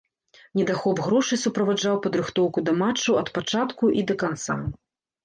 Недахоп грошай суправаджаў падрыхтоўку да матчаў ад пачатку і да канца.